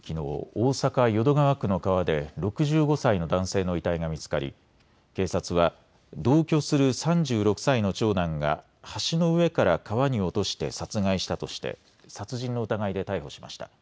大阪淀川区の川で６５歳の男性の遺体が見つかり警察は同居する３６歳の長男が橋の上から川に落として殺害したとして殺人の疑いで逮捕しました。